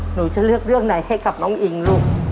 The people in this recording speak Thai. หนูจะเลือกเรื่องไหนให้กับน้องอิงลูก